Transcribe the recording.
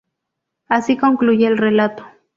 Así concluye el relato.